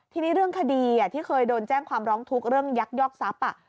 ทีนี้เรื่องคดีที่เคยโดนแจ้งความร้องทุกข์เรื่องยักยอกทรัพย์